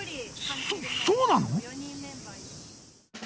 そそうなの？